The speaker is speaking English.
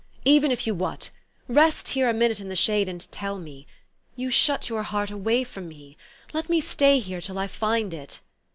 Even if you what? Rest here a minute in the shade, and tell me. You shut your heart away from me. Let me stay here till I find it."